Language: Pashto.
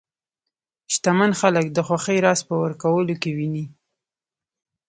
شتمن خلک د خوښۍ راز په ورکولو کې ویني.